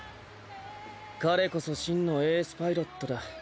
彼こそ真のエースパイロットだ。